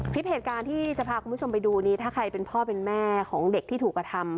คลิปเหตุการณ์ที่จะพาคุณผู้ชมไปดูนี้ถ้าใครเป็นพ่อเป็นแม่ของเด็กที่ถูกกระทำ